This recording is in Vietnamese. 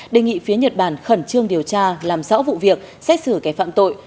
đề nghị phía nhật bản khẩn trương điều tra làm rõ vụ việc xét xử cái phạm tội